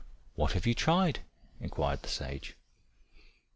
"What have you tried?" inquired the sage.